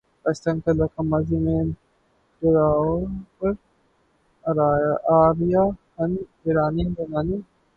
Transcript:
پاکستان کا علاقہ ماضی میں دراوڑ، آریا، ہن، ایرانی، یونانی،